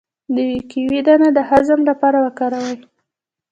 د کیوي دانه د هضم لپاره وکاروئ